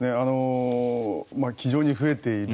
非常に増えている。